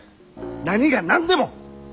何が何でも！